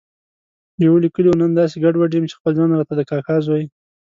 يوه ليکلي و، نن داسې ګډوډ یم چې خپل ځان راته د کاکا زوی